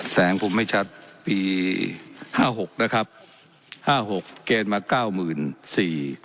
แสงผมไม่ชัดปีห้าหกนะครับห้าหกเกณฑ์มาเก้าหมื่นสี่